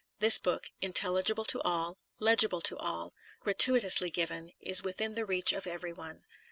This book, intelligible to all, legible to all, gratuitously given, is within the reach of every one.